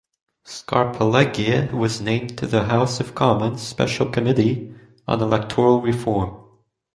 Scarpaleggia was named to the House of Commons Special Committee on Electoral Reform.